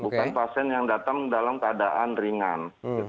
bukan pasien yang datang dalam keadaan ringan